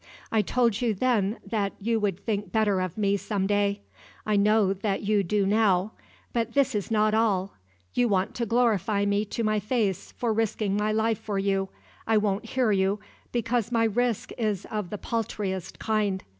I told you then that you would think better of me some day. I know that you do now. But this is not all. You want to glorify me to my face for risking my life for you. I won't hear you, because my risk is of the paltriest kind.